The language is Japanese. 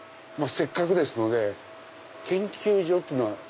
せっかくですので研究所っていうのは。